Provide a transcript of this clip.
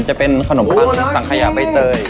จะเป็นขนมปังสังขยะใบเตย